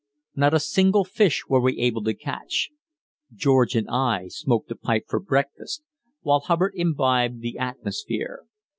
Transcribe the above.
Not a single fish were we able to catch. George and I smoked a pipe for breakfast, while Hubbard imbibed the atmosphere.